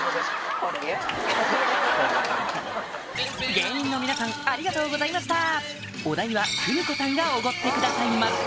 芸人の皆さんありがとうございましたお代は邦子さんがおごってくださいました